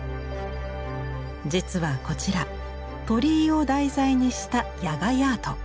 実はこちら鳥居を題材にした野外アート。